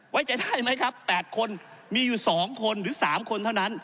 ไว้ใจได้ไหมครับ๘คนมีอยู่๒คนหรือ๓คนเท่านั้น